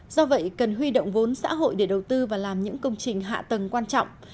do vậy cần huy động vốn xã hội để đầu tư và làm những công trình hạ tầng quan trọng